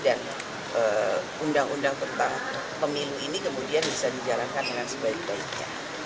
dan undang undang tentang pemilu ini kemudian bisa dijalankan dengan sebaik baiknya